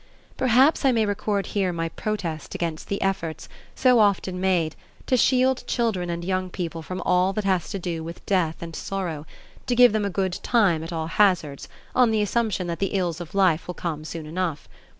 Perhaps I may record here my protest against the efforts, so often made, to shield children and young people from all that has to do with death and sorrow, to give them a good time at all hazards on the assumption that the ills of life will come soon enough.